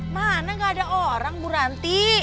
mana nggak ada orang bu ranti